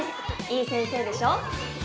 いい先生でしょ。